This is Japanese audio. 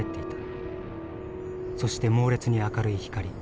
そして猛烈に明るい光。